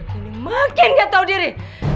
anak ini makin gak tau diri